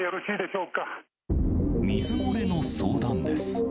水漏れの相談です。